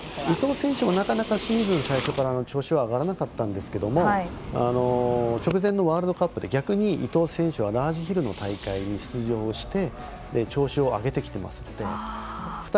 伊藤選手もシーズン最初はなかなか調子が上がらなかったんですけど直前のワールドカップで伊藤選手はラージヒルの大会に出場して調子を上げてきてますので。